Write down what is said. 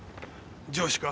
上司か？